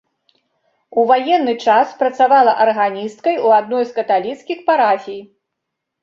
У ваенны час працавала арганісткай ў адной з каталіцкіх парафій.